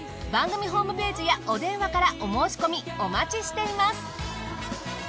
番組ホームページやお電話からお申し込みお待ちしています。